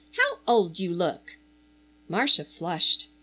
How old you look!" Marcia flushed.